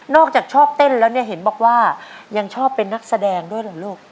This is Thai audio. อกจากชอบเต้นแล้วเนี่ยเห็นบอกว่ายังชอบเป็นนักแสดงด้วยเหรอลูก